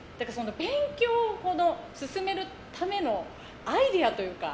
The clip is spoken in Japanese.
勉強を進めるためのアイデアというか。